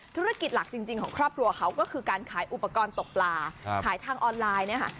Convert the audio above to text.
ธุรกิจหลักจริงของครอบครัวเขาก็คือการขายอุปกรณ์ตกปลาขายทางออนไลน์เนี่ยค่ะ